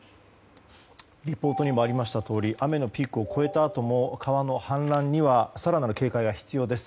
リポートにもありましたとおり雨のピークを越えたあとも川の氾濫には更なる警戒が必要です。